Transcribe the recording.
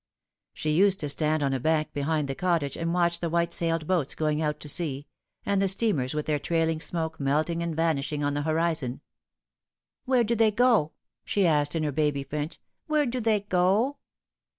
She used to stand on a bank behind the cottage and watch the white sailed boats going out to sea, and the steamers with their trailing smoke melting and vanishing on the horizon. " Where do they go?" she asked in her baby French. "Where do they go